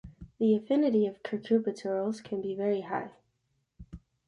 The affinity of cucurbiturils can be very high.